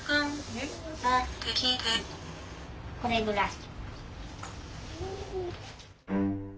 これぐらい。